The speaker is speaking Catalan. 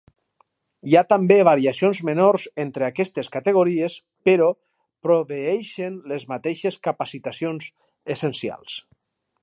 Hi ha també variacions menors entre aquestes categories però proveeixen les mateixes capacitacions essencials.